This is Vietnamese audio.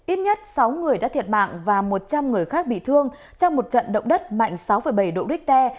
ít nhất sáu người đã thiệt mạng và một trăm linh người khác bị thương trong một trận động đất mạnh sáu bảy độ richter